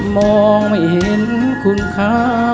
มองไม่เห็นคุณค่า